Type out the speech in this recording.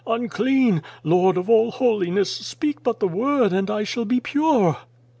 Unclean ! Lord of all Holiness, speak but the word and I shall be pure !